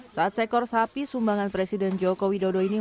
saat sekor sapi sumbangan presiden joko widodo ini